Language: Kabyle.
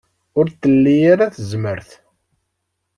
Ur tli ara tazmert.